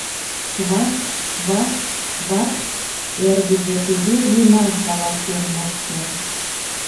— Квак-квак-квак! — эргыже тыге гына каласен моштен.